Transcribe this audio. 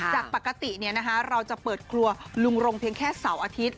จากปกติเราจะเปิดครัวลุงรงเพียงแค่เสาร์อาทิตย์